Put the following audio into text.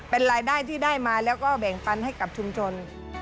เป็นรายได้ที่ได้มาแล้วก็แบ่งปันให้กับชุมชน